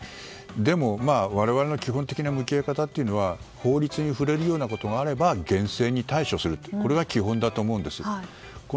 でも、我々の基本的な向き合い方というのは法律に触れるようなことがあれば厳正に対処するこれが基本だと思うんです。